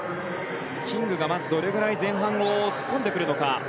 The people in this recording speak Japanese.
キングがどれくらい前半を突っ込んでくるのか。